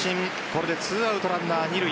これで２アウトランナー二塁。